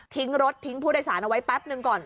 ทิ้งรถทิ้งผู้โดยสารเอาไว้แป๊บหนึ่งก่อน